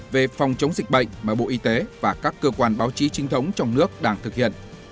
về phòng chống dịch bệnh mà bộ y tế và các cơ quan báo chí trinh thống trong nước đang thực hiện